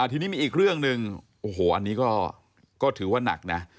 ทีนี้มีอีกเรื่องหนึ่งโอ้โหอันนี้ก็ถือว่านักนะ